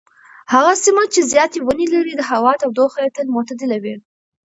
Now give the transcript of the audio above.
هغه سیمه چې زیاتې ونې لري د هوا تودوخه یې تل معتدله وي.